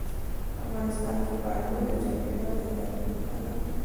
افغانستان کې پامیر د چاپېریال د تغیر نښه ده.